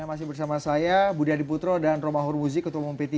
anda masih bersama saya budi hadi putro dan romah hurmuziek ketua p tiga